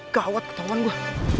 gawat ketawan gue